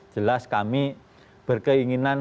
jelas kami berkeinginan